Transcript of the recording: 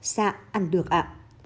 dạ ăn được ạ